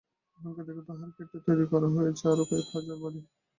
এখানকার একাধিক পাহাড় কেটে তৈরি করা হয়েছে আরও কয়েক হাজার ঘরবাড়ি।